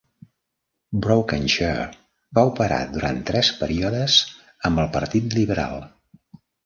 Brokenshire va operar durant tres períodes amb el Partit Liberal.